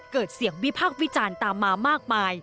เกิดเสียงวิพากษ์วิจารณ์ตามมามากมาย